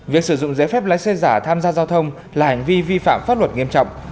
việc sử dụng giấy phép lái xe giả tham gia giao thông là hành vi vi phạm pháp luật nghiêm trọng